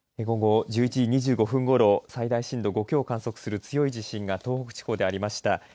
午後１１時２５分ごろ最大震度５強を観測する強い地震が東北地方でありました。